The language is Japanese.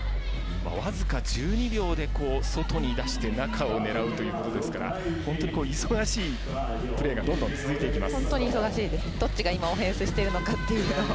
わずか１２秒で外に出して中を狙うということですから本当に忙しいプレーが続いていきます。